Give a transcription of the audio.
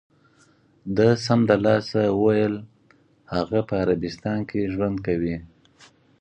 ده سمدلاسه و ویل: هغه په عربستان کې ژوند کوي.